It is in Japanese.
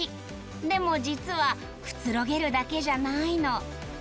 でも実はくつろげるだけじゃないの。